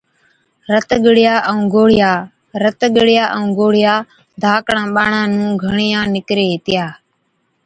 رت ڳڙِيا ائُون گوڙهِيا Boils and Sores، رت ڳڙِيا ائُون گوڙهِيا ڌاڪڙان ٻاڙان نُون گھڻِيان نڪري هِتِيا۔